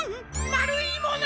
まるいもの！